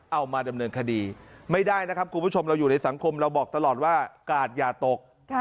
เอามาดำเนินคดีไม่ได้นะครับคุณผู้ชมเราอยู่ในสังคมเราบอกตลอดว่ากาดอย่าตก